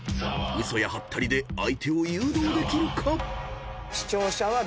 嘘やハッタリで相手を誘導できるか？］